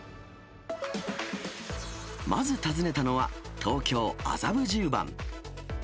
まず訪ねたのは、東京・麻布十番。